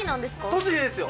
栃木ですよ！